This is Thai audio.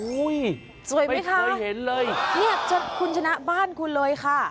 อุ้ยไม่เคยเห็นเลยสวยไหมคะนี่คุณชนะบ้านคุณเลยค่ะ